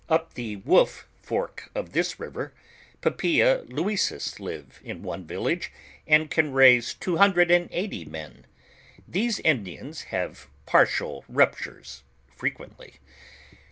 Up the wolf fork of thii river, Papia Louisa live in one village, and can raise two hundred and eighty men; these Indians have partial ruptures frequently.